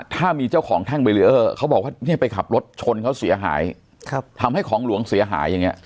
ถ้ามีเจ้าของแท่งเบอร์เรออไปขับรถแต่เขาสี้หายทำให้ของหลวงเสียหายอย่างนี้